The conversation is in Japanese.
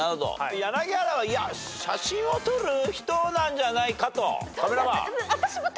柳原はいや写真を撮る人なんじゃないかと。